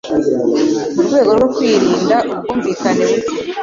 Mu rwego rwo kwirinda ubwumvikane buke